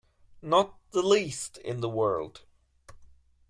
Not the least in the world.